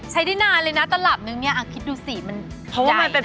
ใช้ได้นานเลยนะตลอดนึงอ่ะคิดดูสีมันใหญ่นะเนี่ย